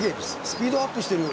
スピードアップしてる。